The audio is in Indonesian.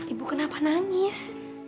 ibu kenapa nangis